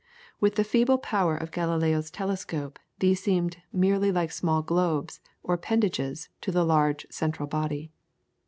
With the feeble power of Galileo's telescope, these seemed merely like small globes or appendages to the large central body.